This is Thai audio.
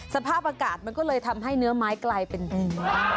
สภาพอากาศมันก็เลยทำให้เนื้อไม้กลายเป็นดี